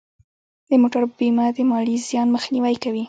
د موټر بیمه د مالي زیان مخنیوی کوي.